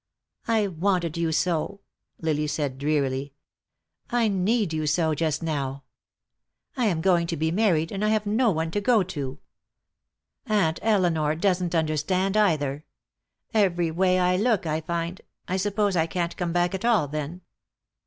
"I wanted you so," Lily said, drearily, "I need you so just now. I am going to be married, and I have no one to go to. Aunt Elinor doesn't understand, either. Every way I look I find I suppose I can't come back at all, then."